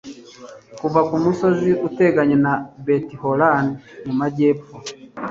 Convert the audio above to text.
kuva ku musozi uteganye na betihoroni mu majyepfo